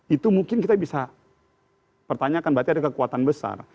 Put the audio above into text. itu mungkin kita bisa pertanyakan berarti ada kekuatan besar